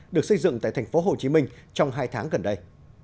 được xây dựng tại thành phố hồ chí minh trong hai tháng gần đây